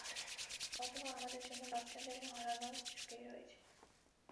অথবা আমাদের অন্য বাচ্চাদের হারানোর ঝুঁকি রয়েছে।